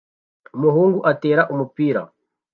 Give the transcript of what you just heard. Umuhungu atera umupira